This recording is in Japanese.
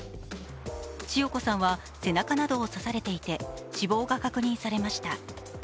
千代子さんは背中などを刺されていて、死亡が確認されました。